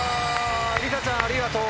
りさちゃんありがとう。